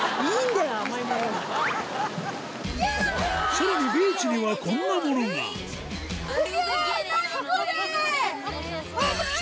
さらにビーチにはこんなものがスゲェ！